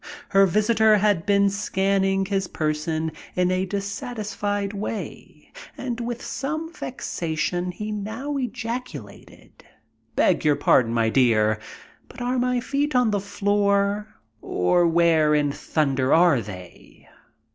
Her visitor had been scanning his person in a dissatisfied way, and with some vexation he now ejaculated: "Beg your pardon, my dear, but are my feet on the floor, or where in thunder are they?"